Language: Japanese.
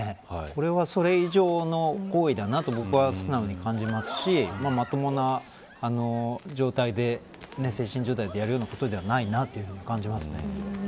これはそれ以上の行為だなと僕は素直に感じますしまともな精神状態でやるようなことではないなという感じますね。